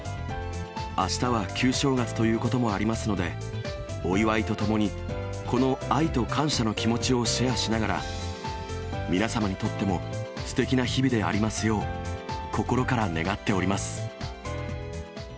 あしたは旧正月ということもありますので、お祝いとともに、この愛と感謝の気持ちをシェアしながら、皆様にとってもすてきな日々でありますよう、心から願っております。